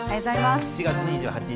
７月２８日